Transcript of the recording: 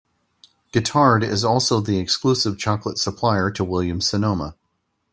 Guittard is also the exclusive chocolate supplier to Williams-Sonoma.